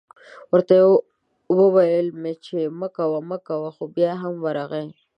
ورته ویل مې چې مه کوه مه کوه خو بیا هم ورغی